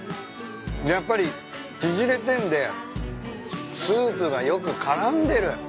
やっぱり縮れてんでスープがよく絡んでる。